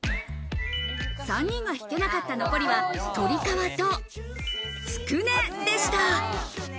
３人がひけなかった残りは、とり皮とつくねでした。